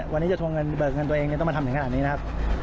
วันนี้จะทวงเงินเบิกเงินตัวเองต้องมาทำถึงขนาดนี้นะครับ